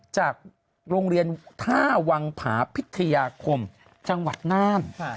จากโรงเรียนท่าวังผาพิทยาคมจังหวัดน่าน